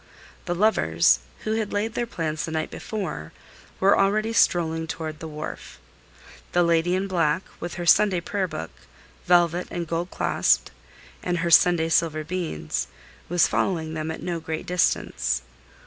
The lovers, who had laid their plans the night before, were already strolling toward the wharf. The lady in black, with her Sunday prayer book, velvet and gold clasped, and her Sunday silver beads, was following them at no great distance.